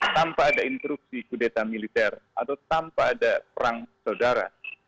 tanpa ada interupsi kudeta militer atau tanpa ada perang saudara